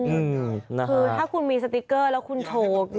อืมคือถ้าคุณมีสติกเกอร์แล้วคุณโถก